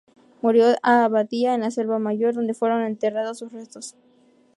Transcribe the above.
Murió a Abadía de la Selva Mayor, donde fueron enterrados sus restos.